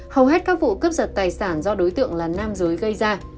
hầu hết các vụ cướp giật tài sản do đối tượng là nam giới gây ra